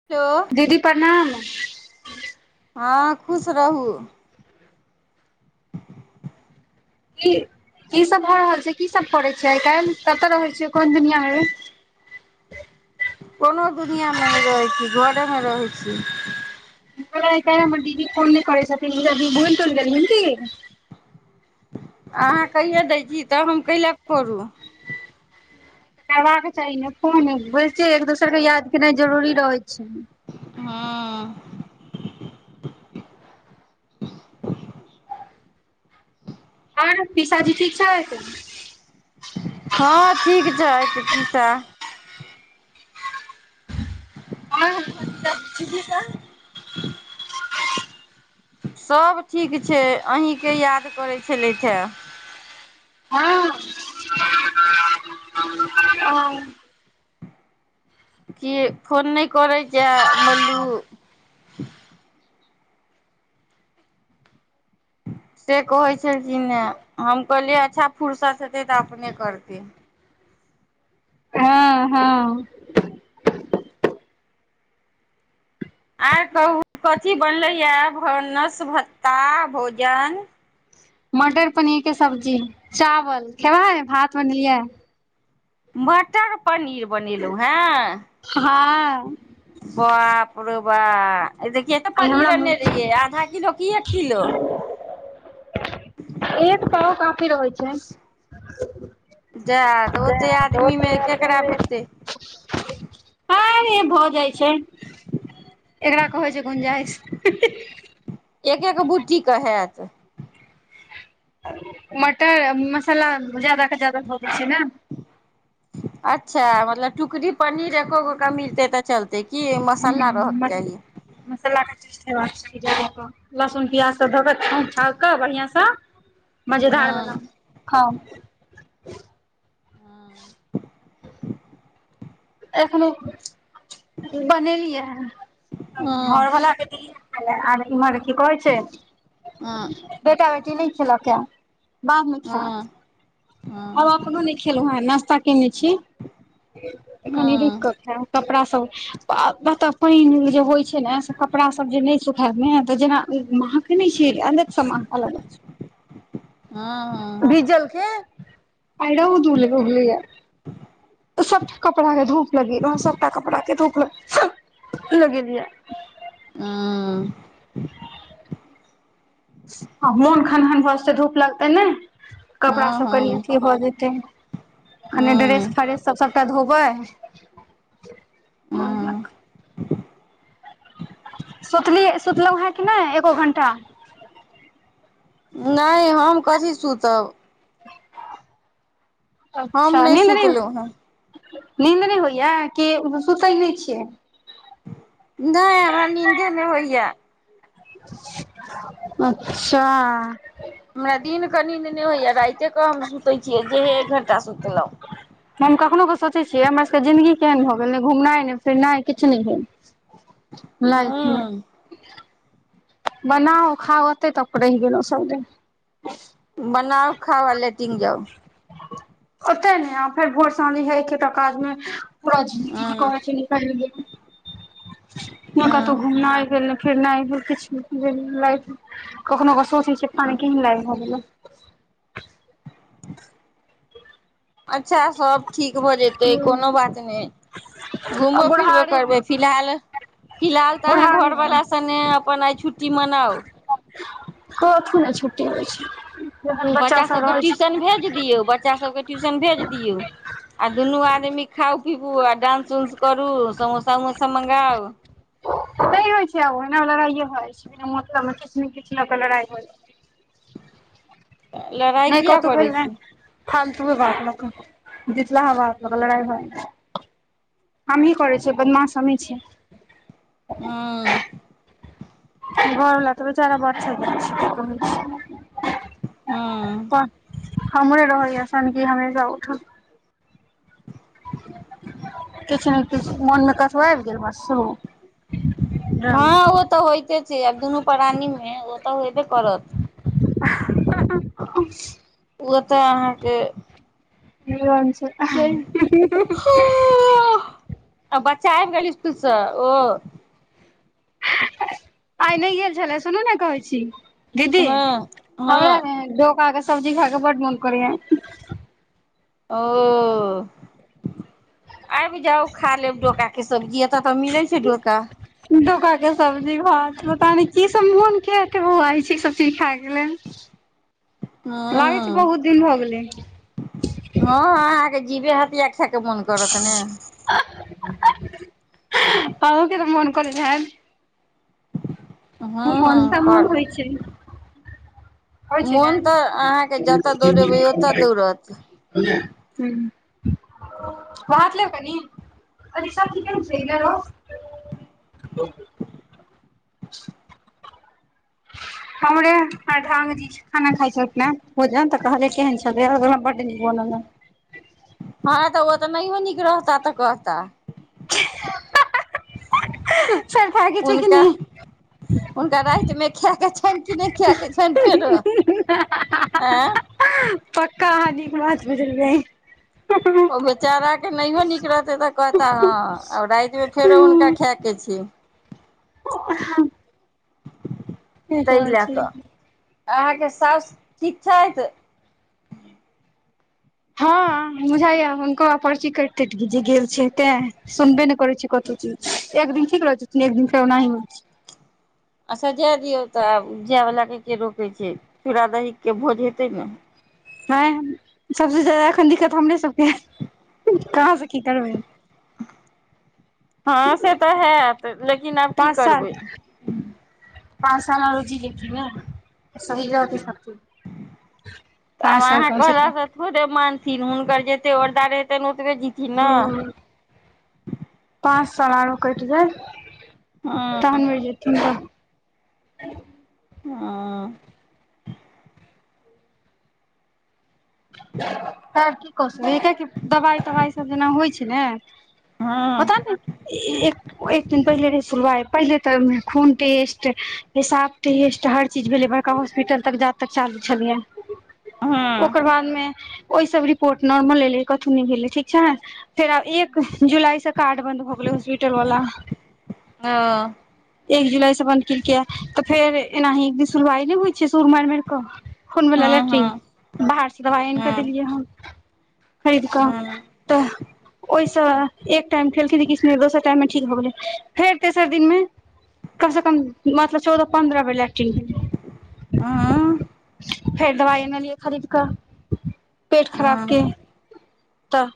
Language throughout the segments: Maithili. [unintelligible] दीदी प्रणाम हँ खुश रहू की की सब भ रहल छै की सब करै छैियै आइ काल्हि कतअ रहै छियै कोन दुनिया मे कोनो दुनिआ मे नहि रहैय छी घरे मे रहैय छीये आय कायल हमर दीदी फोन नय हि करै छथीन बोल तोल देलखिन की अहाँ कहिए दै छी त हम कैय ले परु करबाक चाही ने फोन बोलितिये एक दोसर के याद केनाइ जरूरी रहै छै हँ आओर पिशाजी ठीक छैथ हँ ठीक छैथ पीसा हँ [unintelligible] सभ ठीक छै अहीँ के याद करैत छलेथ ये हँ ओ की फोन नहि करै छै मल्लू से कहैत छलकिन ये हम कहलियै अच्छा फुुरसत हेतै त अपने करतै हँ हँ आयकहू कथी बने ने छियै नष्ट हो भ जय तइ भोजन मटर पनीर के सब्जी चावल छै्भात बनेलियै मटर पनीर बनेलहुँ हें हँ बाप रो बाप आइ कतेपनीर आने हमरा रहिये आधा किलो की एक किलो एक पांव काफी रहै छै सेह तऽ ओतेक आदमीमे केकरा भेटतै हँ य भऽ जाइ छै ककरा कहै छै गुंजाइश एक एक बुटीे के हेयत मटर मसाला जादद जादा धऽ दै छै न अच्छा मतलब टुकरी पनीर एकगोकमिछै तऽ चलतै तऽ कि मसल्ला रहऽके चाही मसलाा के छुहेबाक चाहि जदास लहसुन प्याज सब दक बढियां स मजेदारबनाउ खाऊ हँ एखनो बनेलियै हन घरवलाके के किछु आर इमहर की कहै छै बेटा बेटी नहि खेलक यै बाप छै हम अपनो नहि खेलहुँ ये नाास्ता केने छीकनि रुक कऽ खायब कपड़ा सबछै बाप रे एतपानि जे नहीं हहोछै ने से कपड़ा सब जेना नहिसुखातजेनामहक सुनै छियै अलग समान सब अलग हँ हँ भीजल छै आइ रौद उगलै या सबटा कपड़ा के धूप लगेलो हं सबटा कपड़ा के धूप लगेलिये आ आ--मोन खन हन हन भऽ जेतै धूप लगतै ने कपड़ा सब कनि अथी भऽ जेते कनि ड्रेस फ्रेस सत्रह का धोबै [inaudible] सुतली सुतलहुँ हन किनहि एको घण्टा नहि हम कथी सुतब हम अच्छा नीन्द नहि सुतलहुँ हेँ नीन्द नहि होइया कि सुतै नहि छियै नहि हमरा नींदे नहि होइया अच्छा हमरा दिनके नीन्द नहि होइए राते कऽ हम सुतै छियै जेएक घण्टा सुतलहुँ हम कखनहु कऽ सोचे छिये हमर सबके जिंन्दगी केहन भऽ गेल नहि घुमनाइ नहि फिरनाइ किछु नहि भेल [inaudible] लाइफ मऽ हूँ बनाउ खाउ ओते तक रहि गेलौ सबदिन बनाउ खाउ आ लेटिन जाउ ओते ने फेर भोर साॅंझ हइ सकाल मे पूरा जीती हूँ कह तो निकलबै नय हूँ कतहु घुमनाय भेल नय फिरनाय भेल किछ नय भेल लाइफ मऽ कखनो कऽ सोचे छिये पानी केहेत लाइग रहल यऽ अच्छा सभ ठीक भऽ जेतै कोनो बात नइ आ घुमबो फिरबो बुढ़ारी करबै फिलहाल - फिलहाल तऽ अहाँ बुढ़ारी घरवाला सने अपन आइ छुट्टी मनाउ कथू नय छुट्टी होइ छैय बच्चा सभकेँ ट्यूशन भेज दियौ बच्चा सभकेँ ट्यूशन भेज दियौ आ दुनू आदमी खाऊ पिबू आ डांस उंस करु समोसा उमोसा मंगाउ नय होइ छैय आब ओहिना लड़ाइए हो जाइ छैय बिना मतलब मऽ किछ नइ किछ लऽ कऽ लड़ाइ भऽ जाइ लड़ाइ नय किया कतो भेल करै नऽ छी फालतूये बात लऽ कऽ बितलाहा बात लऽ कऽ लड़ाइ भऽ जाय छै हमही करै छियै बदमाश हमही छियै हँ घरवला तऽ बेचारा वाॅटसप पर रहै छै हँ त हमरे रहैय सनकी हमेशा उठल किछ नय किछ मन मे कऽ आबि गेल बस शुरू हँ ड्रामा ओ तऽ होइते छैय आब दुनू प्राणी मे ओ तऽ होयबे करत [inaudible] ओ तऽ अहाँकेँ [unintelligible] छै छैय आ बच्चा आबि गेल इसकुल सँ ओ आइ नय गेल छले सुनू नऽ कहै छी दीदी हँ हँ हमरा ने डोका के सब्जी खाय केँ बड्ड मोन करै य ओ आइब जाउ खा लेब डोका केँ सब्जी एतऽ तऽ मिलै छैय डोका डोका केँ सब्जी भात पता नै की सब मोन किया कऽ बोआइ छैय इसब चीज खाय कऽ लेल [inaudible] लागै छै हँ बहुत दिन भऽ गेलै हँऽ अहाँकेँ जीवे हथिया खाय केँ मोन करत ने आहू केँ तऽ मोन करैत हैत मोन हँ तऽ मोन पर होइ छैय होइ छै ने। मोन तऽ अहाँके जतऽ दौड़ेबै ओतऽ दौड़त [unintelligible] हुँ भात लेब कनी। कनि सब्जी केहैन छै [unintelligible] [inaudible] हमरे प्रधान जी। खाना खाय छलखिन हँ भोजन तऽ कहयै केहन छल। ओ कहला बड निक बनल हैय हँ तऽ ओ तऽ नहियो निक रहता तऽ कहता। [inaudible] सर खाय केँ छै की हुनका नय हुनका रातिमे खाएके छैन कि नय खायकेँ छैन फेरो आँय। पक्का आहाॅं निक बात बजलियै। ओ बेचारा केँ नहियो नीक रहते तऽ कहता हाॅं। आ राति मे फेरो हुनका खाय केँ छै। ओ [unintelligible] ताहि लए छै कऽ अहाँके साउस ठीक छथि। हँ बुझाइय हुनको आब पर्ची कैट-तैट जे गेल छै तें। सुनबे नहि करै छै कतहु चीज एक दिन ठीक रहथिन एक दिन फेर ओनाहीं होई जाय छै। आछा जाय दियौ तऽ आब जाय वला के के रोकै छै चूड़ा दहीके भोज हेतै ने। है सबसे ज्यादा अखन दिक्कत हमरे सबके कहाँसँ की करबै। हँ से तऽ हैत। लेकिन आब की पाँच साल करबै पाँच साल आरो जी गेलखिन नऽ, समझियौ की सबकुछ [inaudible] तब अहाँ कहला सँ- थोड़े मानथिन हुनकर जते औरदा रैहतेन ओतबे जिथिन ने। ह पाँच साल आरो कटि जाय हँ तहन मरि जेथिन तऽ हँ कोसमेटक दबाइ तबाय जेना होय छनि ने पता हँ ने एक एक दिन पहिले रहै सुलवाय पहिले तऽ खून टेस्ट पेसाप टेस्ट हर चीज भेलै हॉस्पिटल तक जा तक चालू छलियै हँ ओकर बाद ओहि सब रिपोर्ट नॉर्मल एलै कथु नय भेलै ठीक छैन। फेर आब एक जुलाई सऽ- कार्ड बन्द भऽ गेले हॉस्पिटल वला हँ एक जुलाई से बन केलके तऽ फेर एनाही एक दिन सुुलवाइ नहि होइ छै सुल माऽइर खून वला हँ लेट्रीन हँ बाहर सऽ दबाइ आनि कऽ हँ देलियै हन। खरीद कऽ हँ तऽ ओहिसँ एक टाइम खेलखिन किछ नऽ भेल फेर दोसर टाइम मे ठीक भऽ गेलै फेर दोसर दिनमे कम से कम मतलब चौदह पन्द्रह बेर लै हँ [unintelligible] फेर दवाइ अनलियै खरीद करऽ पेट खराब के तऽ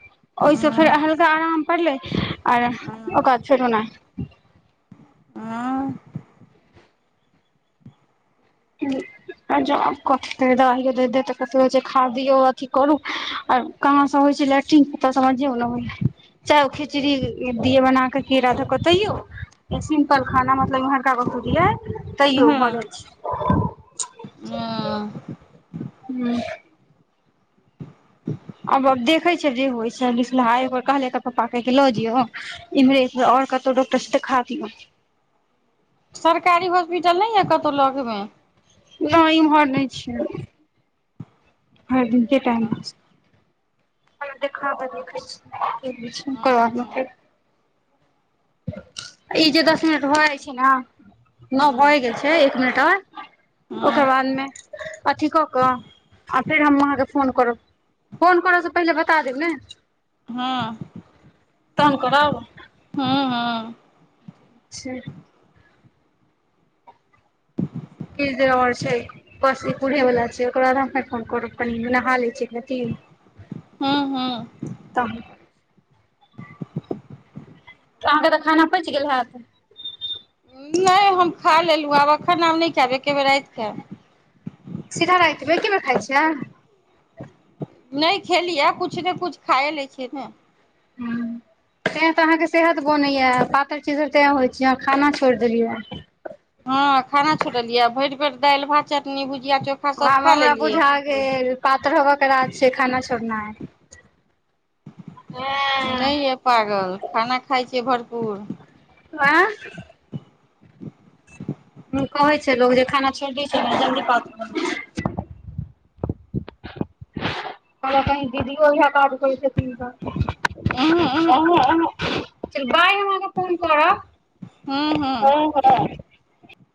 ओहिसँ फेर हल्का आराम पड़लै आर ओकर बाद फेर ओनाहीं। आँ [unintelligible] जब कथि दइ दे दे तऽ कथ हो छै खाादियऔ अथि करू आर कहाँ सऽ होइ छै लेट्रिन कता समझौ ने हो चाहे ओ खिचड़ी दिय बना कऽ की राधा कतऽ यो। सिम्पल खाना मतलब इम्हरका बतलियै हँ तैयो भय हँ जाइ छै। [unintelligible] हू [unintelligible] आबब देखे छलियै जे होइ छै सुलहा एक बेड़ कहलिय एकर पप्पा कऽ कि लऽ जयो इम्हरे आर कतौ डॉकटर से देखा दियौ। सरकारी हॉस्पिटल नहि यऽ कतहु लगमे। नहि इम्हर नहि छियै भेर दिन के टाइम हँ [unintelligible] हँ ै ई जे दस मिनट भऽ जाइ छै नऽ नो हँ भए गेल छै एक मिनट ओकर हँ बाद स्थान मऽ अथि कऽ कऽ फेर हम आहाँ कऽ फोन करब पहिले बता देब ने हँ तहन करब हँ हँ छैय किछ देर और छै बस पूरे वला छै ओकरा बाद हम अपने फोन कर कनि नहा लै छै एक रति हू हू तब अहाँके तऽ खाना पेच गेल हायत नहि हम खा लेलहुँ आब एखन आब नहि खायब एके बेेर राति खायब सीधा रातिै मऽ एकेबेर खाइ छियै नहि खेलियै कुछ ने कुछ खाए लै छिय ने हू तैं तऽ अहाँके सेहत बनैया पातर चितर तैं होइत छ अहाँ खाना छोड़ि देलियै हँ खाना छोरलियै भरि भरि दालि भात चटनी भुजिया चोख आब हमरा बुझा गेल पातर होब के राज छै खाना छोड़नाइ नहि ये पागल खाना खााय छिय भरपूर आय हू कहै छै लोको जे खाना छोड़ दै छै जल्दी प कहलक हऽ कही दीदी ईहाय काज को छैती [unintelligible] ओ ओ बइ हम आहा कऽ फोन करब हूँ हू हँ हँ।